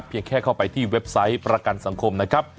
แค่เข้าไปที่เว็บไซต์ประกันสังคมนะครับ